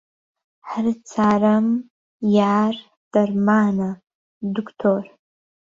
هەر چارەم، یار، دەرمانە، دوکتۆر